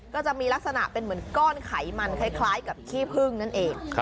ก็จะมีลักษณะเป็นเหมือนก้อนไขมันคล้ายกับขี้พึ่งนั่นเอง